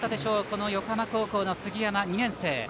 この横浜高校の杉山、２年生。